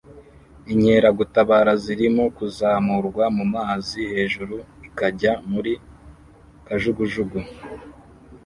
Inkeragutabara zirimo kuzamurwa mu mazi hejuru ikajya muri kajugujugu